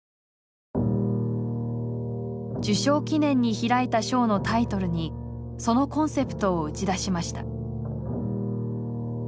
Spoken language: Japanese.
受賞記念に開いたショーのタイトルにそのコンセプトを打ち出しました。